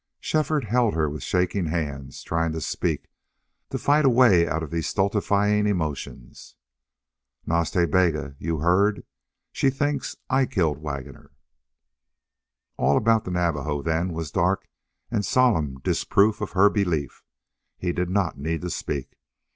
Shefford held her with shaking hands, trying to speak, to fight a way out of these stultifying emotions. "Nas Ta Bega you heard. She thinks I killed Waggoner!" All about the Navajo then was dark and solemn disproof of her belief. He did not need to speak.